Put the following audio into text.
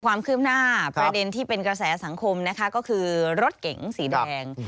ความคืบหน้าประเด็นที่เป็นกระแสสังคมนะคะก็คือรถเก๋งสีแดง